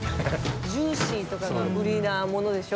ジューシーとかが売りなものでしょ？